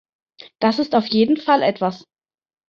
Das ist auf jeden Fall etwas.